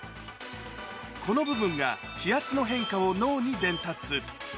この部分が、気圧の変化を脳に伝達。